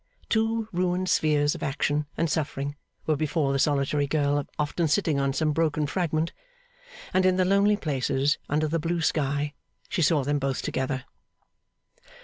Two ruined spheres of action and suffering were before the solitary girl often sitting on some broken fragment; and in the lonely places, under the blue sky, she saw them both together.